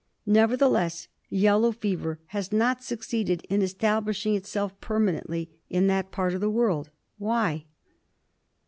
Nevertheless yellow fever has not succeeded in establishing itself permanently in that part of the world. Why